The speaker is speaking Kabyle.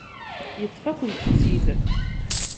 Yeṭṭef-akent-tt-id.